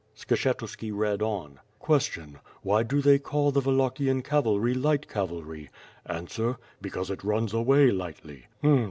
Skshetuski read on: Question: "Why do they call the Wallachian cavalry light cavalry?" Answer: "Because it runs away lightly.